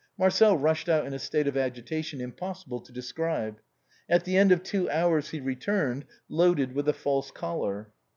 Marcel rushed out in a state of agitation impossible to describe. At the end of two hours he returned, loaded with a false collar.